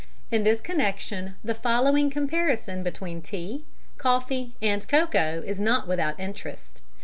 In this connection the following comparison between tea, coffee and cocoa is not without interest.